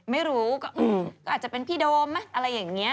ไม่รู้ก็อาจจะเป็นพี่โดมไหมอะไรอย่างนี้